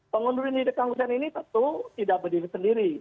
pengunduran diri kang hussein ini tentu tidak berdiri sendiri